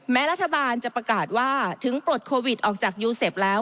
แม้รัฐบาลจะประกาศว่าถึงปลดโควิดออกจากยูเซฟแล้ว